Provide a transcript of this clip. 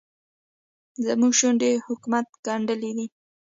زموږ شونډې حکومت ګنډلې دي.